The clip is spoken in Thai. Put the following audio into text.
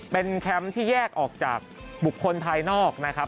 เป็นแคมป์ที่แยกออกจากบุคคลภายนอกนะครับ